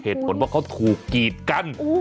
เหตุผลว่าเขาถูกกีดกัน